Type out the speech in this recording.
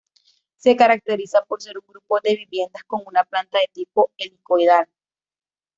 Se caracteriza por ser un grupo de viviendas con una planta de tipo helicoidal.